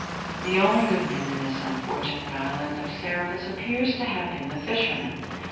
The only good man in this unfortunate island of Seriphus appears to have been the fisherman.